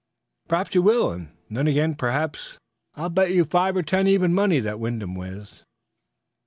"Perhaps you will, and, then again, perhaps " "I'll bet you five or ten, even money, that Wyndham wins."